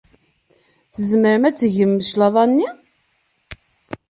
Tzemrem ad d-tgem cclaḍa-nni?